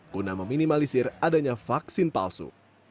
guna meminimalisir adanya vaksin palsu